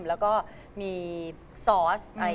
แล้วก็มีซอส